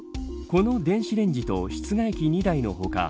この電子レンジと室外機２台の他